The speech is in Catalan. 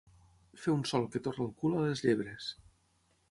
Fer un sol que torra el cul a les llebres.